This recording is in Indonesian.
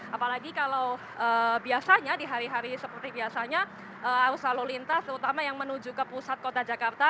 apalagi kalau biasanya di hari hari seperti biasanya arus lalu lintas terutama yang menuju ke pusat kota jakarta